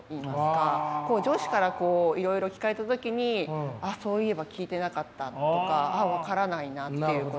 上司からいろいろ聞かれた時にそういえば聞いてなかったとかあっ分からないなっていうことで。